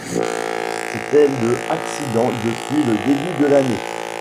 C'était le accident depuis le début de l'année.